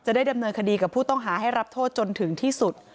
ได้ดำเนินคดีกับผู้ต้องหาให้รับโทษจนถึงที่สุด